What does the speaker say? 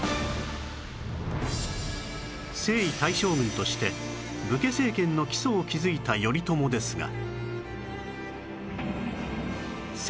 征夷大将軍として武家政権の基礎を築いた頼朝ですが